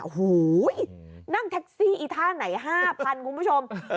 หูยยยยยนั่งแท็กซี่ไอ้ท่านไหน๕๐๐๐บาทคุณผู้ชม